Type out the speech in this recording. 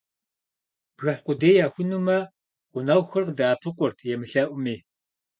Бжыхь къудей яхунумэ, гъунэгъухэр къыдэӀэпыкъурт, емылъэӀуми.